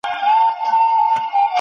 د محمد داوود خان پر ضد نوی تاریخ جوړ سو.